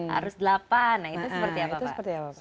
harus delapan nah itu seperti apa tuh